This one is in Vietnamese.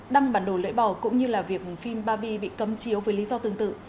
đăng bản đồ lễ bỏ cũng như là việc phim barbie bị cấm chiếu với lý do tương tự